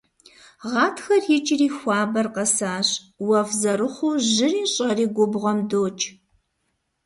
Гъатхэр икӏри хуабэр къэсащ, уэфӏ зэрыхъуу жьыри щӏэри губгъуэм докӏ.